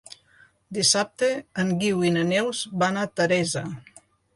Dissabte en Guiu i na Neus van a Teresa.